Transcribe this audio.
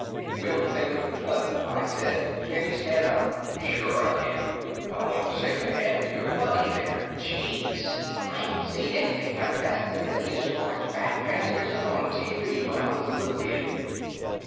"We'll think on plenty," I said. "Can you stand up?" "Sure I can stand up. I want to shake the hand of your buddy, there. Geez! I ain't seen anything like that since I used to watch Bat Masterson on TV, when I was a little kid!"